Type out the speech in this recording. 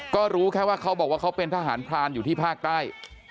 ก็รู้แค่ว่าเขาบอกว่าเขาเป็นทหารพรานอยู่ที่ภาคใต้